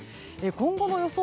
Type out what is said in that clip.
今後の予想